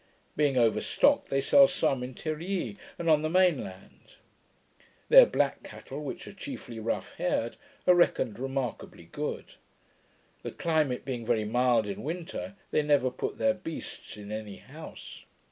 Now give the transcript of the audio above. Being over stocked, they sell some in Tir yi, and on the main land. Their black cattle, which are chiefly rough haired, are reckoned remarkably good. The climate being very mild in winter, they never put their beasts in any house.